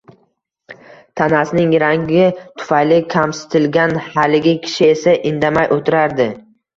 Tanasining rangi tufayli kamsitilgan haligi kishi esa indamay oʻtirardi.